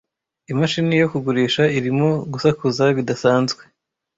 Imashini yo kugurisha irimo gusakuza bidasanzwe.